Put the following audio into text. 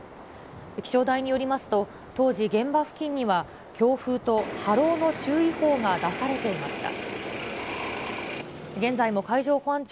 気象台によりますと、当時、現場付近には強風と波浪の注意報が出されていました。